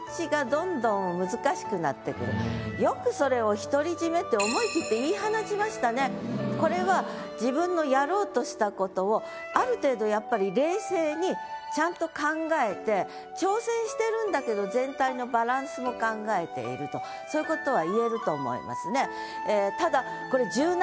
ここのよくそれを「ひとりじめ」ってこれは自分のやろうとした事をある程度やっぱり冷静にちゃんと考えて挑戦してるんだけど全体のバランスも考えているとそういう事は言えると思いますね。